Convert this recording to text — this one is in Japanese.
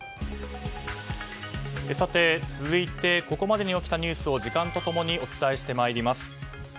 続いて、ここまでに起きたニュースを時間と共にお伝えしてまいります。